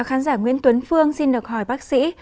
khán giả nguyễn tuấn phương xin được hỏi bác sĩ